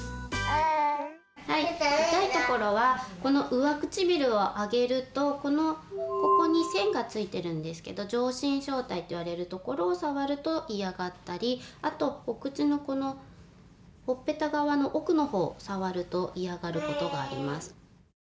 痛いところはこの上唇を上げるとこのここに線がついてるんですけど上唇小帯っていわれるところを触ると嫌がったりあとお口のほっぺた側の奥のほう触ると嫌がることがあります。